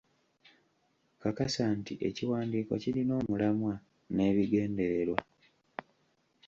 Kakasa nti ekiwandiiko kirina omulamwa, n’ebigendererwa.